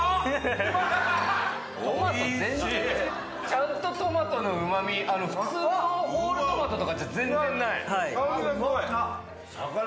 ちゃんとトマトのうま味普通のホールトマトとかじゃ全然ない。